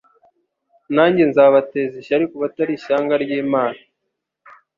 nanjye nzabateza ishyari ku batari ishyanga ry'imana